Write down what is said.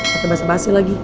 pake basa basi lagi